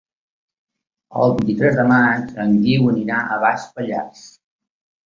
El vint-i-tres de maig en Guiu anirà a Baix Pallars.